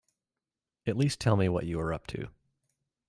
At least tell me what you were up to